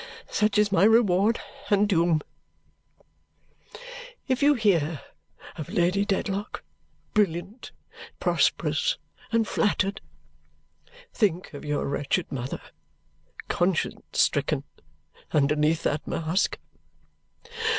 Such is my reward and doom. If you hear of Lady Dedlock, brilliant, prosperous, and flattered, think of your wretched mother, conscience stricken, underneath that mask!